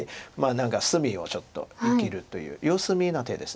何か隅をちょっと生きるという様子見な手です